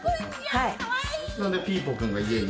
なんでピーポくんが家に？